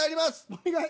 お願い。